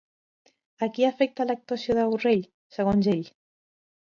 A qui afecta l'actuació de Borrell, segons ell?